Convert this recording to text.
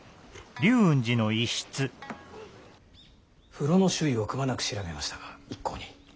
風呂の周囲をくまなく調べましたが一向に。